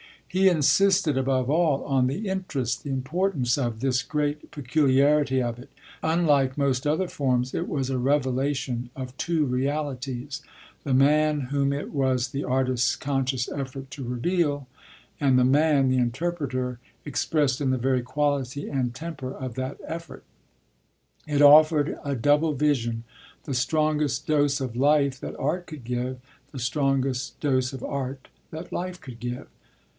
He insisted above all on the interest, the importance of this great peculiarity of it, that unlike most other forms it was a revelation of two realities, the man whom it was the artist's conscious effort to reveal and the man the interpreter expressed in the very quality and temper of that effort. It offered a double vision, the strongest dose of life that art could give, the strongest dose of art that life could give.